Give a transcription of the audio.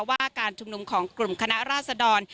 ว่าการชุมนุมของกลุ่มคณะราษดร